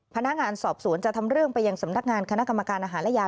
พนักงานสอบสวนจะทำเรื่องไปยังสำนักงานคณะกรรมการอาหารและยา